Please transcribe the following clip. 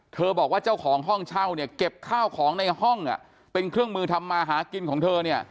บอกว่าเจ้าของห้องเช่าเนี่ยเก็บข้าวของในห้องเป็นเครื่องมือทำมาหากินของเธอเนี่ย